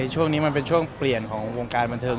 ช่วงนี้มันเป็นช่วงเปลี่ยนของวงการบันเทิง